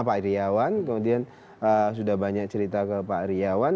pak iryawan kemudian sudah banyak cerita ke pak iryawan